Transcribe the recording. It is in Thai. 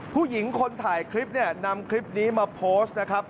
ผู้หญิงคนถ่ายคลิปเนี่ยนำคลิปนี้มาโพสต์นะครับ